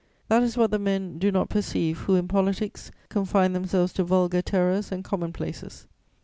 That is what the men do not perceive who, in politics, confine themselves to vulgar terrors and commonplaces.